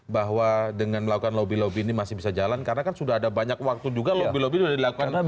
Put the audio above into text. bahwa dengan melakukan lobby lobby ini masih bisa jalan karena kan sudah ada banyak waktu juga lobby lobby sudah dilakukan